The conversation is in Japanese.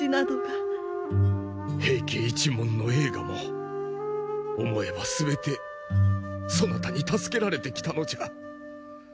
平家一門の栄華も思えば全てそなたに助けられてきたのじゃ。